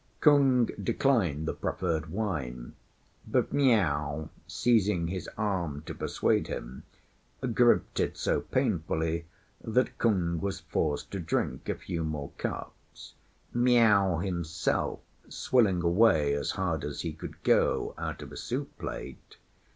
Kung declined the proffered wine; but Miao, seizing his arm to persuade him, gripped it so painfully that Kung was forced to drink a few more cups, Miao himself swilling away as hard as he could go out of a soup plate.